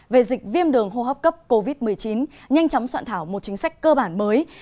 về dịch viêm đường hô hấp cấp covid một mươi chín nhanh chóng soạn thảo một chính sách cơ bản mới